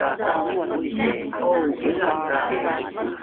Ini o